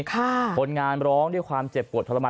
คนงานร้องด้วยความเจ็บปวดทรมาน